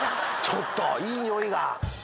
ちょっといい匂いが。